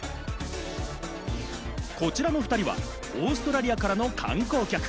こちらのおふたりはオーストラリアからの観光客。